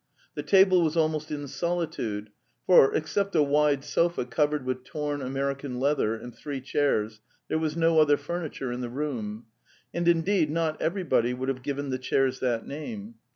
The table was almost in solitude, for, except a wide sofa covered with torn American leather and three chairs, there was no other furniture in the room. And, indeed, not everybody would have given the chairs that name.